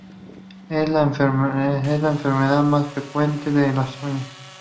Es la enfermedad más frecuente de las uñas.